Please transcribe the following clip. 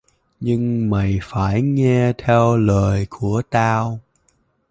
Nhưng mày phải nghe theo lời của tao